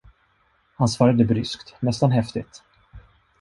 Han svarade bryskt, nästan häftigt.